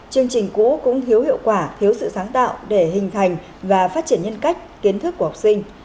chương trình cũ cũng thiếu hiệu quả thiếu sự sáng tạo để hình thành và phát triển nhân cách kiến thức của học sinh